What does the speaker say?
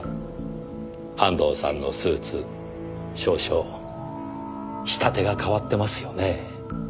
安藤さんのスーツ少々仕立てが変わってますよね？